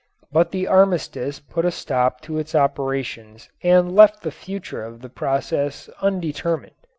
But the armistice put a stop to its operations and left the future of the process undetermined.